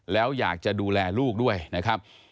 แล้วอยากจะดูแลลูกด้วยนะครับ